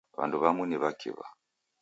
W'andu w'amu ni w'akiw'a.